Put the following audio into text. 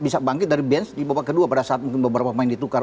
yang menunggu pada saat mungkin beberapa pemain ditukar